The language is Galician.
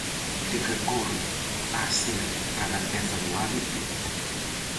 De que cor ha ser cada peza do hábito?